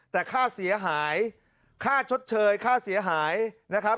แต่ค่าเสียหายค่าชดเชยค่าเสียหายนะครับ